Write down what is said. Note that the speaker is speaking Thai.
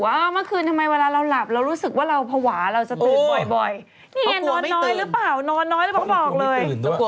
วันนี้ก่อนนี่เข้ารายการเราก็คุยกันอยู่ว่า